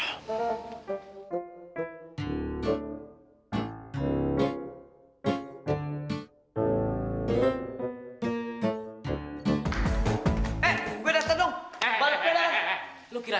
eh gue udah dateng dong balik gue dah